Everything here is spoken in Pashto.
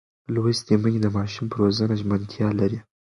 لوستې میندې د ماشوم پر روزنه ژمنتیا لري.